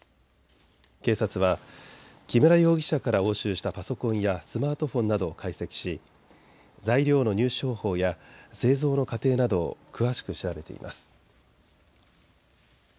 警察は木村容疑者から押収したパソコンやスマートフォンなどを解析し材料の入手方法や製造の過程などを詳しく調べています。